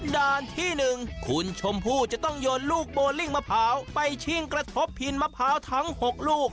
ด้านที่๑คุณชมพู่จะต้องโยนลูกโบลิ่งมะพร้าวไปชิ่งกระทบพินมะพร้าวทั้ง๖ลูก